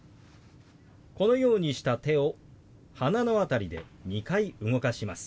このようにした手を鼻の辺りで２回動かします。